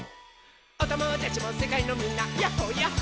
「おともだちもせかいのみんなやっほやっほ」